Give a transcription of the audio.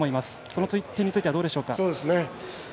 その点についてはどうでしょうか？